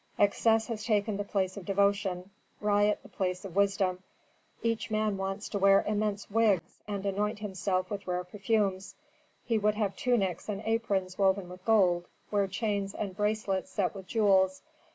"Excess has taken the place of devotion, riot the place of wisdom. Each man wants to wear immense wigs, and anoint himself with rare perfumes; he would have tunics and aprons woven with gold, wear chains and bracelets set with jewels.